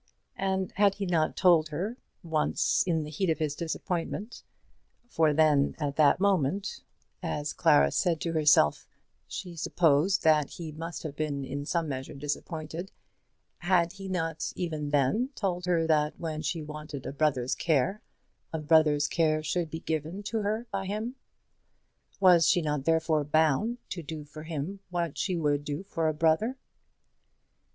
And had he not told her, once in the heat of his disappointment; for then at that moment, as Clara said to herself, she supposed that he must have been in some measure disappointed, had he not even then told her that when she wanted a brother's care, a brother's care should be given to her by him? Was she not therefore bound to do for him what she would do for a brother?